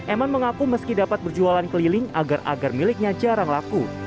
eman mengaku meski dapat berjualan keliling agar agar miliknya jarang laku